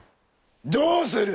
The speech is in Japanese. どうする？